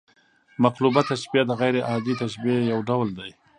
مقلوبه تشبیه د غـير عادي تشبیه یو ډول دئ.